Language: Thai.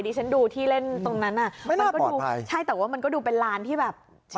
ที่ฉันดูที่เล่นตรงนั้นมันก็ดูเป็นล้านที่เชื่อว่า